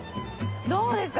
どうですか？